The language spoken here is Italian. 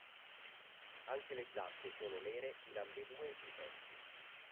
Anche le zampe sono nere in ambedue i sessi.